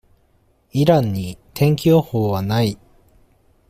イランに、天気予報は無い。